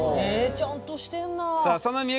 えちゃんとしてんな。